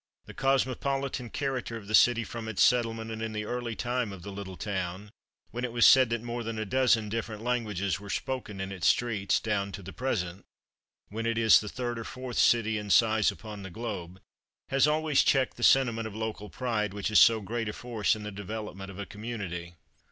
The cosmopolitan character of the city from its settlement and in the early time of the little town, when it was said that more than a dozen different languages were spoken in its streets, down to the present, when it is the third or fourth city in size upon the globe, has always checked the sentiment of local pride which is so great a force in the development of a community.